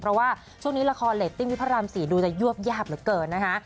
เพราะว่าช่วงนี้ละครเรตติ้งที่พระราม๔ดูจะยวบยาบเหลือเกินนะคะ